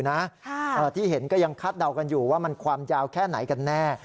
ที่เห็นก็ยังคาดเดากันอยู่ว่ามันความยาวแค่ไหนกันแน่